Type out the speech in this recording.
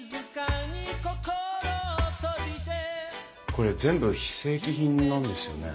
これ全部非正規品なんですよね？